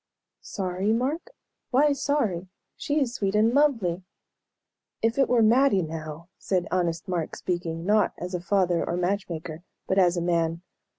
"Sorry, Mark? Why sorry? She is sweet and lovely!" "If it were Mattie, now," said honest Mark, speaking, not as a father or match maker, but as a man.